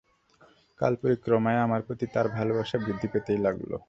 কালপরিক্রমায় আমার প্রতি তার ভালবাসা বৃদ্ধি পেতেই লাগল।